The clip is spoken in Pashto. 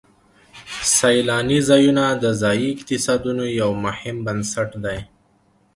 سیلاني ځایونه د ځایي اقتصادونو یو مهم بنسټ دی.